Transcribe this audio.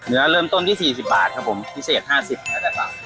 เนื้อเริ่มต้นที่๔๐บาทครับผมพิเศษ๕๐บาทครับครับ